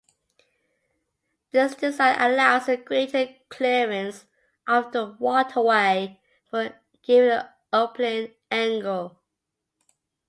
This design allows a greater clearance of the waterway for a given opening angle.